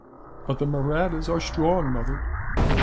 "But the Mahrattas are strong, mother?"